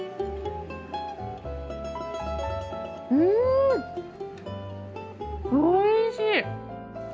うんおいしい！